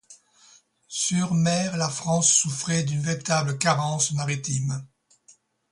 Sur mer, la France souffrait d'une véritable carence maritime.